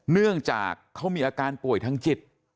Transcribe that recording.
เนื่องจากเขามีอาการป่วยทางจิต